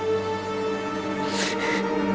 jangan lupa untuk mencoba